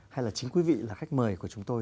hay là chính quý vị là khách mời của chúng tôi